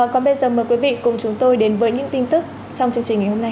còn bây giờ mời quý vị cùng chúng tôi đến với những tin tức trong chương trình ngày hôm nay